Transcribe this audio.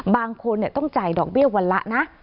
บางคนต้องจ่ายดอกเบี้ยวันละนะ